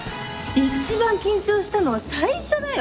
一番緊張したのは最初だよ。